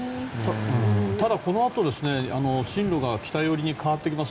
ただ、このあと進路が北寄りに変わってきます。